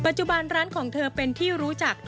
ปัจจุบันร้านของเธอเป็นที่รู้จักทั่วประเทศ